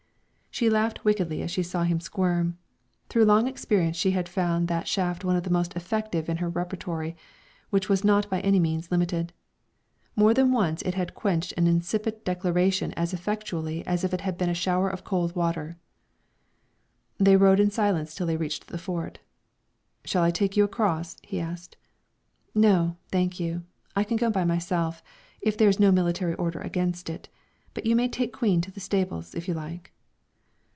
She laughed wickedly as she saw him squirm. Through long experience she had found that shaft one of the most effective in her repertory, which was not by any means limited. More than once it had quenched an incipient declaration as effectually as if it had been a shower of cold water. They rode in silence till they reached the Fort. "Shall I take you across?" he asked. "No, thank you; I can go by myself, if there is no military order against it; but you may take Queen to the stables, if you like."